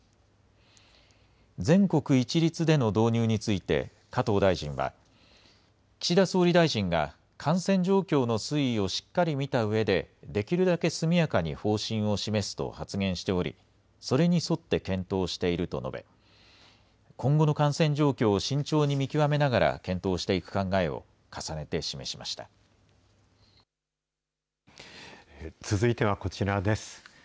全国一律での導入について、加藤大臣は、岸田総理大臣が感染状況の推移をしっかり見たうえで、できるだけ速やかに方針を示すと発言しており、それに沿って検討していると述べ、今後の感染状況を慎重に見極めながら検討していく考えを重ねて示続いてはこちらです。